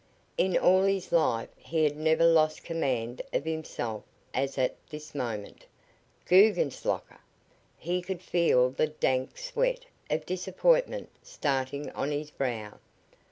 In all his life he had never lost command of himself as at this moment. Guggenslocker! He could feel the dank sweat of disappointment starting on his brow.